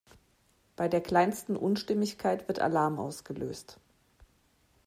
Bei der kleinsten Unstimmigkeit wird Alarm ausgelöst.